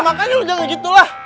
makanya lu jangan gitu lah